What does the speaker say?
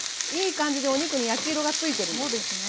いい感じでお肉に焼き色がついてるんです。